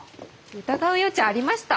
疑う余地ありました？